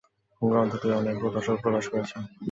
গ্রন্থটি অনেক প্রকাশক প্রকাশ করেছেন।